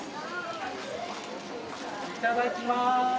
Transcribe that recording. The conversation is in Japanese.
「いただきまーす」。